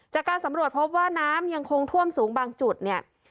จากการสำรวจพบว่าน้ำยังคงท่วมสูงบางจุดเนี่ย